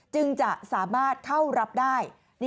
จึงจะสามารถเข้ารับได้